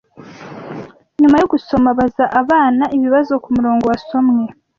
Nyuma yo gusoma, baza abana ibibazo ku murongo wasomwe